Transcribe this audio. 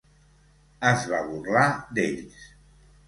Es va burlar d'ells.